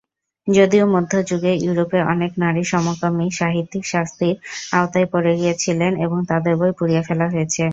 যদিও মধ্যযুগে ইউরোপে অনেক নারী সমকামী সাহিত্যিক শাস্তির আওতায় পড়ে গিয়েছিলেন এবং তাদের বই পুড়িয়ে ফেলা হয়েছে।